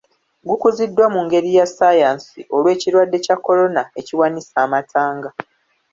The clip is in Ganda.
Gukuziddwa mu ngeri ya ssayansi olw’ekirwadde kya Corona ekiwanise amatanga.